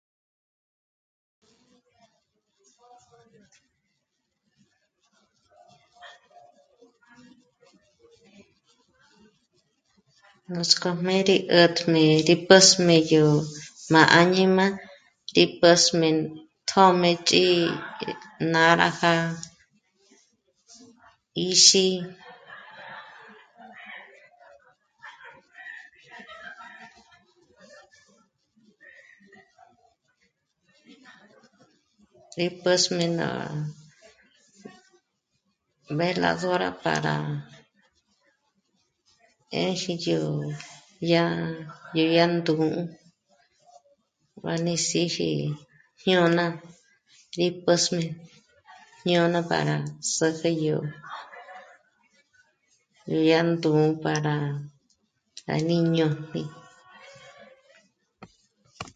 Núts'k'ójmé rí 'ä̀t'ä rí pä́sm'íjio má áñima, rí pä́sm'i nú tjṓmëch'i náraja 'íxi, rí pä́sm'í ná véladora pára 'ëji yó dy'á ndū̀'ū pá rí síji jñôna, rí pä́sm'i ñôna para säpji dyándū̀'ū pára 'àjñínobi